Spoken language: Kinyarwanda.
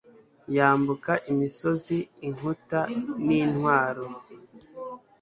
yambuka imisozi inkuta n'intwaro